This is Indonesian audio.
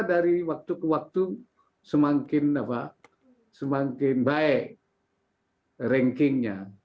dari waktu ke waktu semakin baik rankingnya